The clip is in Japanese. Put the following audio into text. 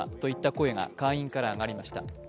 声が会員から上がりました。